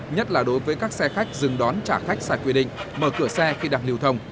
nhất là đối với các xe khách dừng đón trả khách xài quy định mở cửa xe khi đặt liều thông